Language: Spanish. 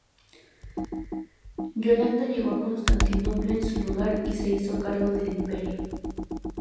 Yolanda llegó a Constantinopla en su lugar y se hizo cargo del Imperio.